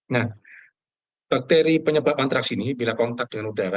nah bakteri penyebab antraks ini bila kontak dengan udara